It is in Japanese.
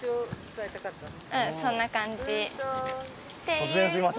うんそんな感じ。